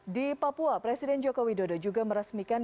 di papua presiden joko widodo juga meresmikan